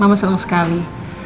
mama selamat sekali